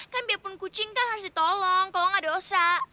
kan biarpun kucing kan harus ditolong kalau nggak dosa